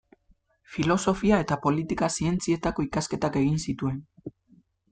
Filosofia eta Politika Zientzietako ikasketak egin zituen.